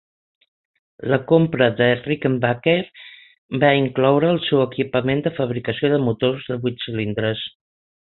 La compra de Rickenbacker va incloure el seu equipament de fabricació de motors de vuit cilindres.